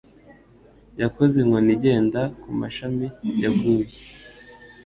Yakoze inkoni igenda kumashami yaguye